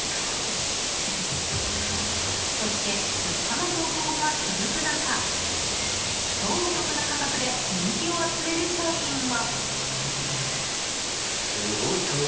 そして、物価の高騰が続く中超お得な価格で人気を集める商品も。